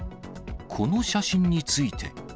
この写真について。